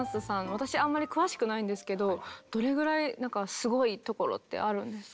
私あんまり詳しくないんですけどどれぐらいすごいところってあるんですか？